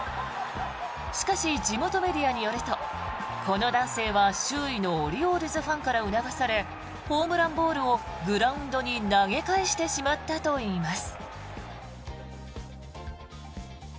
しかし、地元メディアによるとこの男性は周囲のオリオールズファンから促されホームランボールをグラウンドに投げ返してしまったといいます。